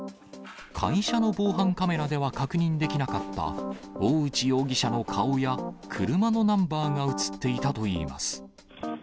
会社の防犯カメラでは確認できなかった、大内容疑者の顔や車のナンバーが写っていたといいます。